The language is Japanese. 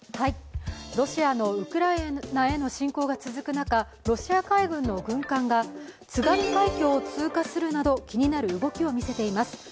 ロシアのウクライナへの侵攻が続く中、ロシア海軍の軍艦が津軽海峡を通過するなど気になる動きを見せています。